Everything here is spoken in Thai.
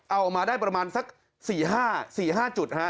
เอามาได้ประมาณสัก๔๕จุดฮะ